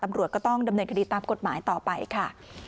ตำรวจก็ต้องดำเนินคดีตามกฎหมายต่อไปค่ะ